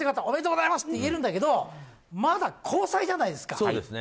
おめでとうございます！と言えるんだけどまだ交際じゃないですか。